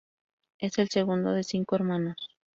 Es el segundo de cinco hermanos.